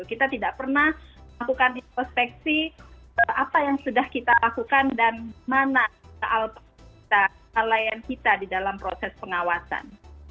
kita tidak pernah melakukan introspeksi apa yang sudah kita lakukan dan mana kelalaian kita di dalam proses pengawasan